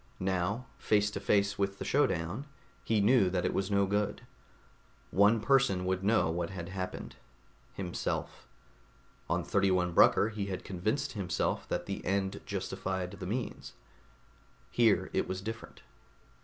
Now, face to face with the showdown, he knew that it was no good. One person would know what had happened: himself. On 31 Brucker, he had convinced himself that the end justified the means; here it was different.